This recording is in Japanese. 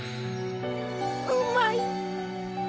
うまい。